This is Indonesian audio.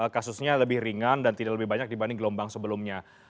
kasusnya lebih ringan dan tidak lebih banyak dibanding gelombang sebelumnya